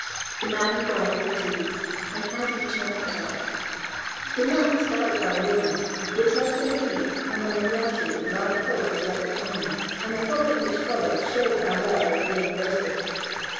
The man and wife were at ease and had each an appetite. The nuts gathered by the woman were tossed in a heap among the ashes and live coals were raked upon them, and the popping which followed showed how well they were being roasted.